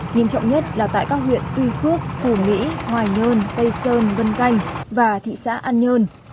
nghiêm trọng nhất là tại các huyện tuy phước phù mỹ hoài nhơn tây sơn vân canh và thị xã an nhơn